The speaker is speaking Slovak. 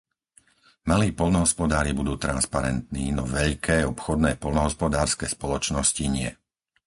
Malí poľnohospodári budú transparentní, no veľké obchodné poľnohospodárske spoločnosti nie.